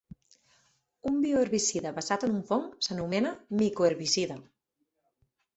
Un bioherbicida basat en un fong s'anomena micoherbicida.